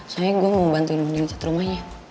soalnya gue mau bantuin mending cat rumahnya